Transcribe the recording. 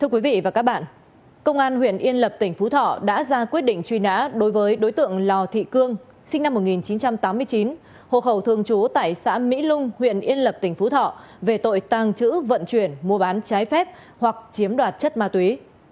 qua bán trái phép hoặc chiếm đoạt chất ma túy